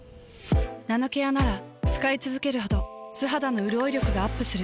ナノケアなら使いつづけるほど素肌のうるおい力がアップする。